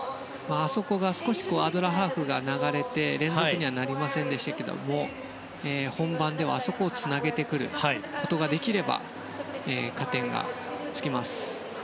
あそこ、少しアドラーハーフが流れて連続にはなりませんでしたが本番では、あそこをつなげてくることができれば加点がつきます。